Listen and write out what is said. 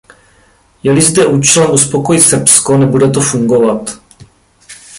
Je-li zde účelem upokojit Srbsko, nebude to fungovat.